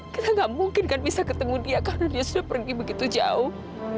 kita gak mungkin kan bisa ketemu dia karena dia sudah pergi begitu jauh